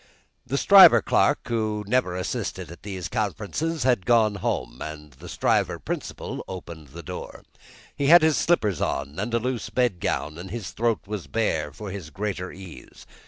The Stryver clerk, who never assisted at these conferences, had gone home, and the Stryver principal opened the door. He had his slippers on, and a loose bed gown, and his throat was bare for his greater ease.